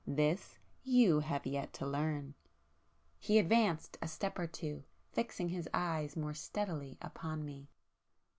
This you have yet to learn!" He advanced a step or two, fixing his eyes more steadily upon me.